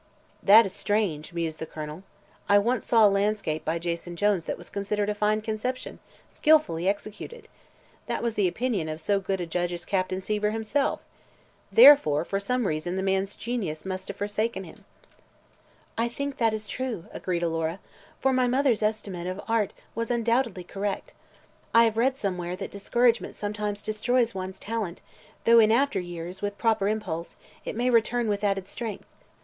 "That is strange," mused the Colonel. "I once saw a landscape by Jason Jones that was considered a fine conception, skillfully executed. That was the opinion of so good a judge as Captain Seaver himself. Therefore, for some reason the man's genius must have forsaken him." "I think that is true," agreed Alora, "for my mother's estimate of art was undoubtedly correct. I have read somewhere that discouragement sometimes destroys one's talent, though in after years, with proper impulse, it may return with added strength.